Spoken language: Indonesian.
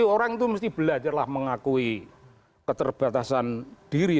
orang itu mesti belajarlah mengakui keterbatasan diri